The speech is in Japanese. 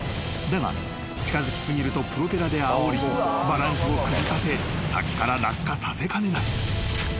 ［だが近づき過ぎるとプロペラであおりバランスを崩させ滝から落下させかねない］